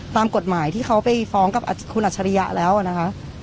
ตามกฎหมายที่เขาไปฟ้องกับคุณอัจฉริยะแล้วนะคะ